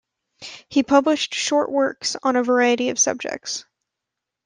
He published short works on a variety of subjects.